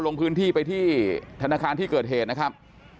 ลงพื้นที่ไปที่ธนาคารที่เกิดเหตุนะครับ